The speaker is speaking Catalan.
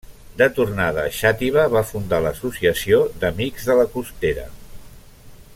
De tornada a Xàtiva, va fundar l'Associació d'Amics de la Costera.